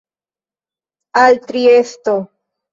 Al Triesto.